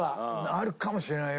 あるかもしれないよ